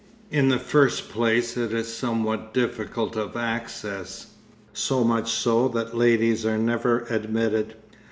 In the first place it is somewhat difficult of access, so much so that ladies are never admitted.